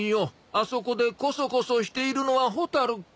あそこでコソコソしているのは蛍か？